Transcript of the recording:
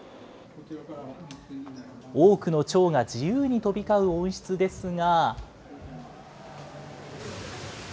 多くのちょうが自由に飛び交う温室ですが。